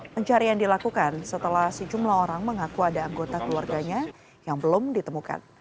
pencarian dilakukan setelah sejumlah orang mengaku ada anggota keluarganya yang belum ditemukan